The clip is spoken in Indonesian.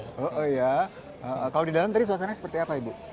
kalau di dalam tadi suasananya seperti apa ibu